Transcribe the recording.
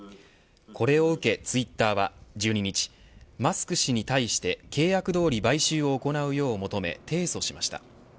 これを受け、ツイッターは１２日マスク氏に対して契約どおり買収を行うよう求め提訴しました。